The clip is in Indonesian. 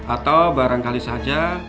atau barangkali saja